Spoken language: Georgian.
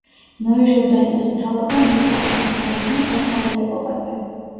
ნოე ჟორდანიას მთავრობა მიესალმა მის დანიშვნას ამ თანამდებობაზე.